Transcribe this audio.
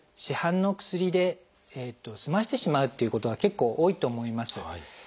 「市販の薬で済ませてしまう」っていうことが結構多いと思います。